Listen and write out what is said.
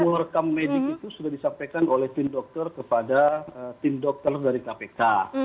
semua rekam medik itu sudah disampaikan oleh tim dokter kepada tim dokter dari kpk